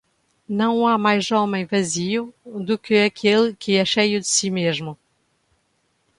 Não há mais homem vazio do que aquele que é cheio de si mesmo.